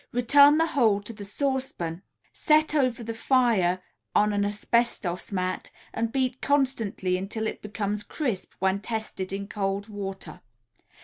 Return the whole to the saucepan, set over the fire on an asbestos mat and beat constantly until it becomes crisp when tested in cold water.